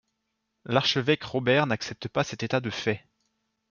L'archevêque Robert n'accepte pas cet état de fait.